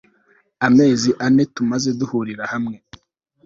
amezi ane tumaze duhurira hamwe